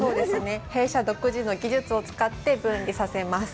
弊社独自の技術を使って分離させます。